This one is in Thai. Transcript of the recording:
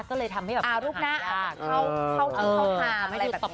ก็เลยทำให้มือทานยาก